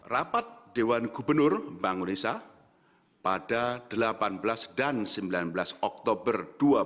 rapat dewan gubernur bank indonesia pada delapan belas dan sembilan belas oktober dua ribu dua puluh